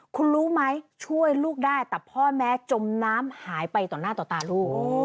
คุณรู้ไหมช่วยลูกได้แต่พ่อแม่จมน้ำหายไปต่อหน้าต่อตาลูก